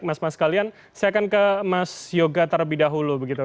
mas mas kalian saya akan ke mas yoga terlebih dahulu begitu